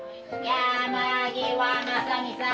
山際正己さん